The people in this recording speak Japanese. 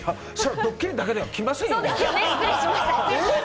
ドッキリだけでは来ませんよ。